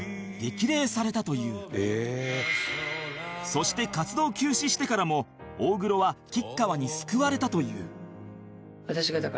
そして活動休止してからも大黒は吉川に救われたという